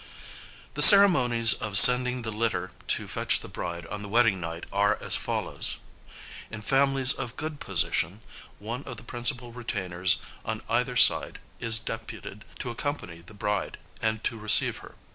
The ceremonies of sending the litter to fetch the bride on the wedding night are as follows. In families of good position, one of the principal retainers on either side is deputed to accompany the bride and to receive her.